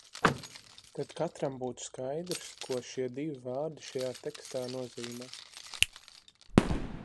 Tad katram būtu skaidrs, ko šie divi vārdi šajā tekstā nozīmē.